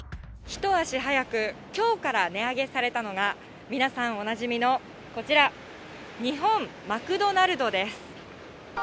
一足早く、きょうから値上げされたのが、皆さんおなじみのこちら、日本マクドナルドです。